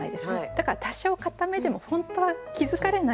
だから多少硬めでも本当は気付かれない。